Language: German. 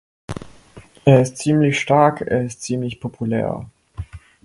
Er ist ziemlich stark, er ist ziemlich populär.